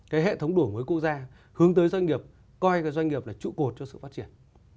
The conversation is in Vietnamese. cái hệ thống đổi mới quốc gia hướng tới doanh nghiệp coi cái doanh nghiệp là trụ cột cho sự phát triển